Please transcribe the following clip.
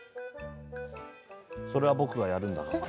それは僕がやるよ。